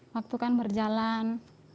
waktu kan berjalan